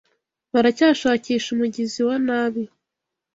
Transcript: Baracyashakisha umugizi wa nabi.